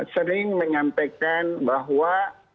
sering menyampaikan bahwa